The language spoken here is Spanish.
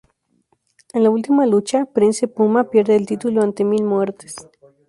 En la "Ultima Lucha", Prince Puma pierde el título ante Mil Muertes.